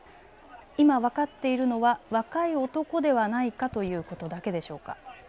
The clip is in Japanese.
今、分かっているのは若い男ではないかということだけでしょうか。